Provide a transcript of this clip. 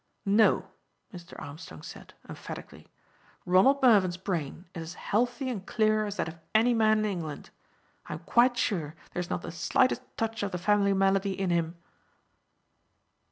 "No," Mr. Armstrong said, emphatically, "Ronald Mervyn's brain is as healthy and clear as that of any man in England. I am quite sure there is not the slightest touch of the family malady in him."